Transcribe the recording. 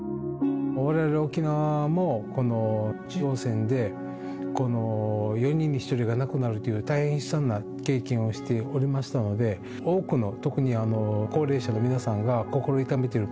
われわれ沖縄も、この地上戦で４人に１人が亡くなるっていう大変悲惨な経験をしておりましたので、多くの、特に高齢者の皆さんが心を痛めてる。